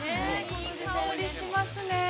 ◆いい香りしますね。